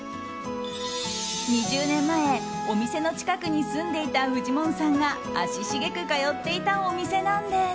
２０年前お店の近くに住んでいたフジモンさんが足しげく通っていたお店なんです。